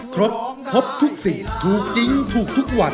ครบครบทุกสิ่งถูกจริงถูกทุกวัน